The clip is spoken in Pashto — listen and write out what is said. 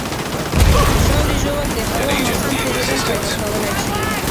د ژاولې ژوول د هوا ناسم تېرېدل پیدا کولی شي.